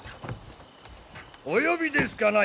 お呼びですかな？